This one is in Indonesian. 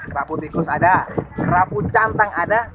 kerapu tikus ada kerapu cantang ada